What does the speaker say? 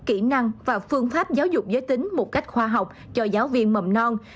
kỹ năng và phương pháp giáo dục giới tính một cách khoa học cho giáo viên mầm non